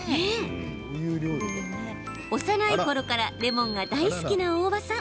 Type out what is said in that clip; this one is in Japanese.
幼いころからレモンが大好きな大場さん。